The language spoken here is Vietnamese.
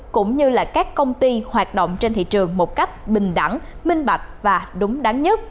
cũng như các công ty hoạt động trên thị trường một cách bình đẳng minh bạch và đúng đắn nhất